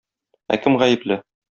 Ә кем гаепле?